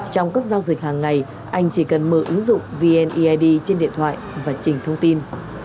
trong các giao dịch hàng ngày anh chỉ cần mở ứng dụng vneid trên điện thoại và chỉnh thông tin